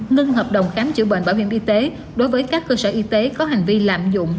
ngưng hợp đồng khám chữa bệnh bảo hiểm y tế đối với các cơ sở y tế có hành vi lạm dụng